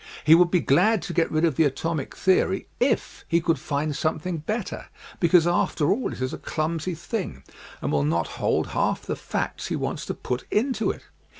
He' would be glad to get rid of the atomic theory if he could find something better because after all it is a clumsy thing and will not hold half the facts he wants to put into it.